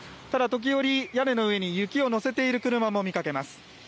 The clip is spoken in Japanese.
ただ時折、屋根の上に雪を乗せている車も見かけます。